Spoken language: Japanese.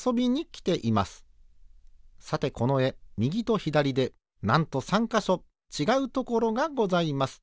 さてこのえみぎとひだりでなんと３かしょちがうところがございます。